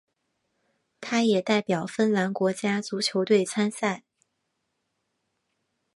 他也代表芬兰国家足球队参赛。